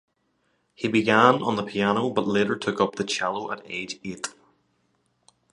He began on the piano, but later took up the cello at age eight.